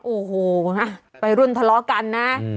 โอ้โหวัยรุ่นทะเลาะกันนะ